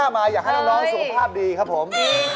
มาแล้วครับผม